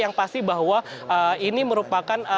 yang pasti bahwa ini merupakan